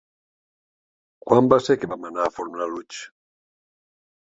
Quan va ser que vam anar a Fornalutx?